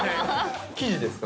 生地ですか？